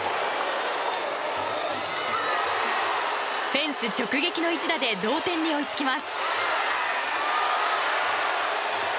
フェンス直撃の一打で同点に追いつきます。